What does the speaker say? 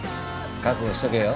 覚悟しとけよ。